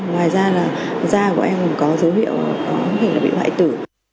ngoài ra là da của em cũng có dấu hiệu có thể bị loại tử